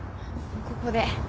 ここで。